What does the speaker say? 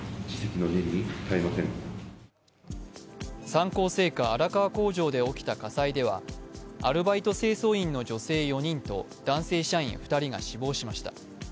三幸製菓荒川工場で起きた火災ではアルバイト清掃員の女性４人と男性社員２人が死亡しました。